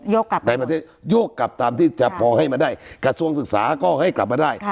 ในประเทศโยกกลับตามที่จะพอให้มาได้กระทรวงศึกษาก็ให้กลับมาได้